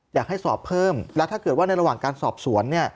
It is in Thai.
อยากให้สอบเพิ่มและถ้าเกิดว่าในระหว่างการสอบสวน